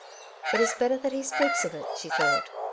^^ It is better that he speaks of it,'' she thought.